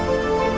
jadi aku rasa